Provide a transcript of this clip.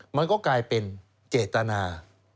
มันก็กลายเป็นเจตนา